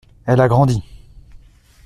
Elle a grandi.